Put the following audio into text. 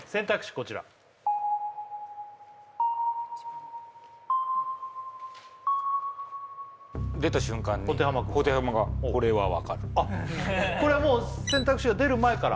こちら出た瞬間に保手濱が「これは分かる」これはもう選択肢が出る前から？